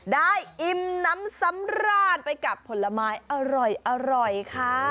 ได้อิ่มนำสำราดไปกับผลไม้อร่อยอร่อยค่ะ